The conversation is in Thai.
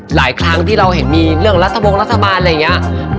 หลายครั้งที่เราเห็นมีเรื่องรัฐบงรัฐบาลอะไรอย่างนี้